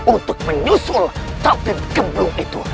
untuk menyusul takdir kemblum itu